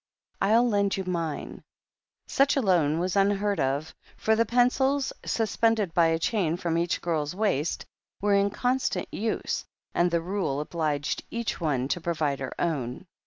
"I'll lend you mine." Such a loan was unheard of, for the pencils, sus pended by a chain from each girl's waist, were in con stant use, and the rule obliged each one to provide her own.